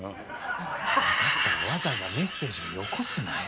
だったらわざわざメッセージよこすなよ。